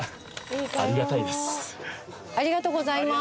ありがとうございます。